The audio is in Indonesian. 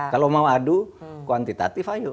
kalau mau adu kuantitatif ayo